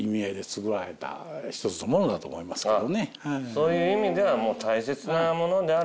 そういう意味では。